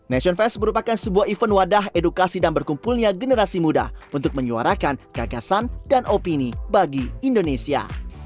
nation fest merupakan sebuah event wadah edukasi dan berkumpulnya generasi muda untuk menyuarakan gagasan dan opini bagi indonesia